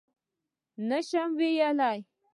_نه شم ويلای.